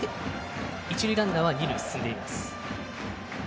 一塁ランナーは二塁に進んでいます。